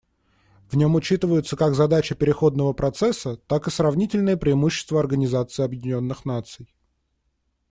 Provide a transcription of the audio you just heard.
В нем учитываются как задачи переходного процесса, так и сравнительные преимущества Организации Объединенных Наций.